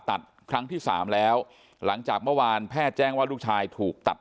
ตัดครั้งที่สามแล้วหลังจากเมื่อวานแพทย์แจ้งว่าลูกชายถูกตัด